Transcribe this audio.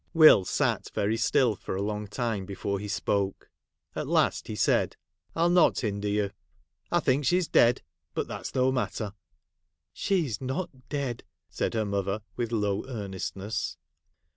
Will sat very still for a long time before he spoke. At last he said, ' I '11 not hinder you. I think she 's dead, but that 's no matter.' ' She is not dead,' said her mother, with low earnestness.